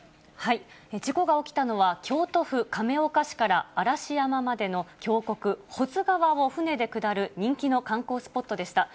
事故が起きたのは、京都府亀岡市から嵐山までの峡谷、保津川を船で下る人気の観光スポットでした。